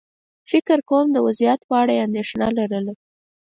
فکر کووم د وضعيت په اړه یې اندېښنه لرله.